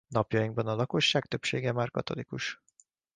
Napjainkban a lakosság többsége már katolikus.